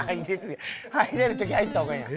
入れる時入った方がええやん。